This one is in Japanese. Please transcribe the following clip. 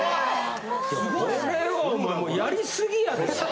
・これはお前やりすぎやで。